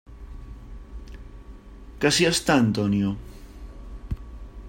Que si està Antonio?